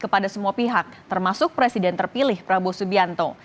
kepada semua pihak termasuk presiden terpilih prabowo subianto